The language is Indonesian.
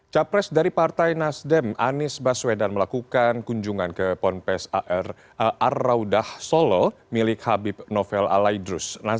capres dari partai nasdem anis baswedan melakukan kunjungan ke pompes ar arraudah solo milik habib novel al aidrus